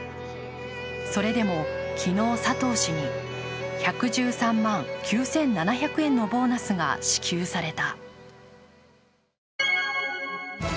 それでも昨日、佐藤氏に１１３万９７００円のボーナスが支給された。